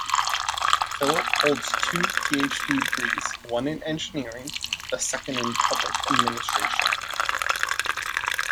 Filip holds two PhD degrees, one in engineering, the second in public administration.